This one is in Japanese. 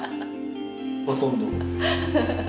ほとんど。